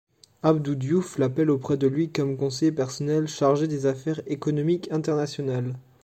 Abdou Diouf l'appelle auprès de lui comme conseiller personnel chargé des Affaires économiques internationales.